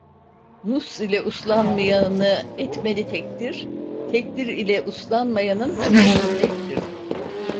Nush ile uslanmayanı etmeli tekdir, tekdir ile uslanmayanın hakkı kötektir.